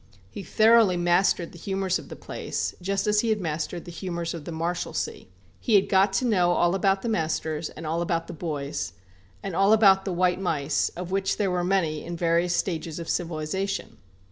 He thoroughly mastered the humours of the place, just as he had mastered the humours of the Marshalsea. He had got to know all about the masters, and all about the boys, and all about the white mice of which there were many in various stages of civilization.